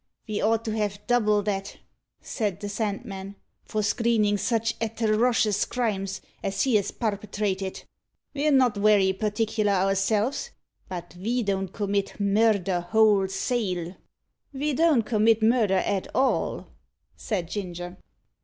"Ve ought to have double that," said the Sandman, "for screenin' sich atterocious crimes as he has parpetrated. Ve're not werry partic'lar ourselves, but ve don't commit murder wholesale." "Ve don't commit murder at all," said Ginger.